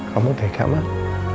kamu dekat mah